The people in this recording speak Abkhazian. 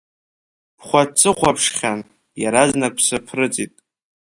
Бхәацыхәаԥшьхан, иаразнак бысԥырҵит…